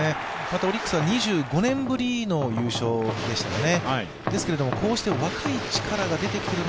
オリックスは２５年ぶりの優勝でしたね。